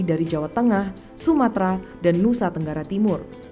dari jawa tengah sumatera dan nusa tenggara timur